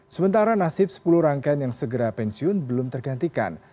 sementara nasib sepuluh rangkaian yang segera pensiun belum tergantikan